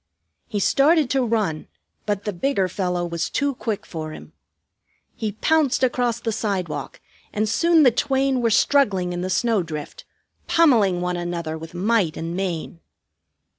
He started to run, but the bigger fellow was too quick for him. He pounced across the sidewalk, and soon the twain were struggling in the snowdrift, pummeling one another with might and main.